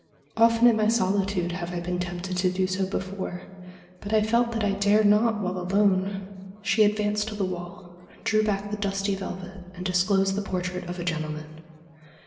Often in my solitude have I been tempted to do so before, but I felt that I dare not while alone.' She advanced to the wall, drew back the dusty velvet, and disclosed the portrait of a gentleman.